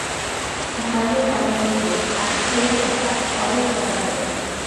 Violin বাজানোর note আর স্কেলের কথা পরেও ভাবা যাবে।